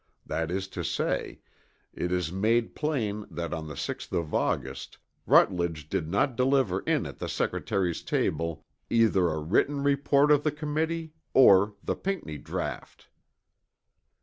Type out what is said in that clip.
That is to say, it is made plain that on the 6th of August, Rutledge did not deliver in at the Secretary's table either a written report of the committee or the Pinckney draught.